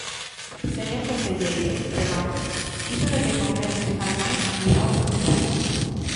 Señor conselleiro –remato–, iso de que con menos se fai máis, dirao vostede.